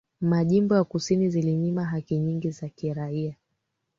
majimbo ya kusini zilinyima haki nyingi za kiraia